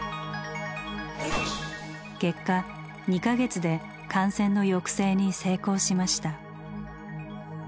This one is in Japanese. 結果２か月で感染の抑制に成功しました。